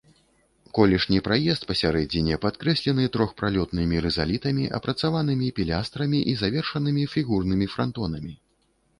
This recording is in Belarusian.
Колішні праезд пасярэдзіне падкрэслены трохпралётнымі рызалітамі, апрацаванымі пілястрамі і завершанымі фігурнымі франтонамі.